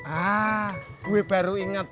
ah gue baru inget